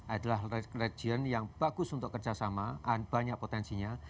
adalah region yang bagus untuk kerjasama dan banyak potensinya